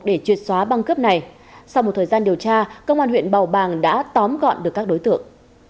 để triệt xóa băng cướp này sau một thời gian điều tra công an huyện bào bàng đã tóm gọn được các đối tượng